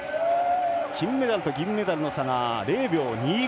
金メダルと銀メダルの差が０秒２５。